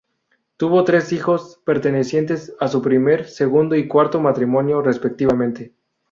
Tuvo tres hijos, pertenecientes a su primer, segundo y cuarto matrimonio, respectivamente.